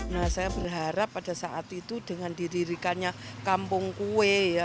nah saya berharap pada saat itu dengan didirikannya kampung kue ya